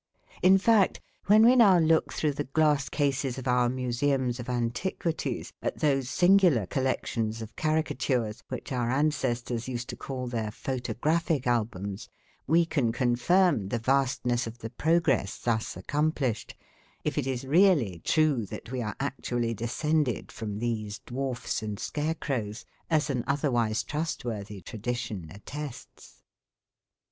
In fact, when we now look through the glass cases of our museums of antiquities at those singular collections of caricatures which our ancestors used to call their photographic albums, we can confirm the vastness of the progress thus accomplished, if it is really true that we are actually descended from these dwarfs and scare crows, as an otherwise trustworthy tradition attests.